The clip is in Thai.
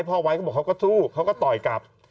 ไว้ก็บอกเขาก็สู้เขาก็ต่อยกลับ